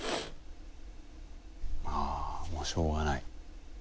あもうしょうがない。